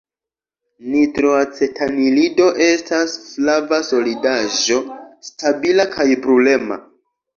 Nitroacetanilido estas flava solidaĵo stabila kaj brulema.